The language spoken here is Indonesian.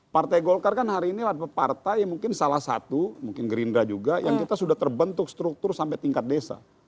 partai golkar kan hari ini adalah partai yang mungkin salah satu mungkin gerindra juga yang kita sudah terbentuk struktur sampai tingkat desa